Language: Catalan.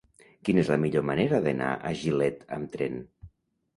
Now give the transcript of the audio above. Quina és la millor manera d'anar a Gilet amb tren?